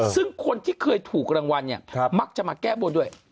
ซึ่งคนที่เคยถูกรางวัลเนี่ยมักจะมาแก้บนด้วย